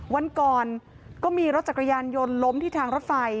วันก่อนก็มีรถจักรยานยนต์ล้มที่ทางรถไฟ